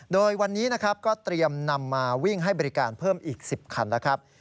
โดยวันนี้นะครับก็เตรียมนำมาวิ่งให้บริการเพิ่มอีก๑๐คันแล้วครับ